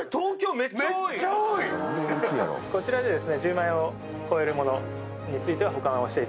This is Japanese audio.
こちらでですね。